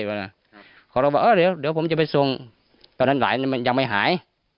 เพราะเราบอกเออเดี๋ยวผมจะไปส่งตอนนั้นหลายมันยังไม่หาย